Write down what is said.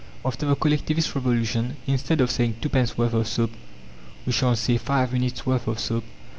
After the Collectivist Revolution, instead of saying "twopence worth of soap," we shall say "five minutes' worth of soap."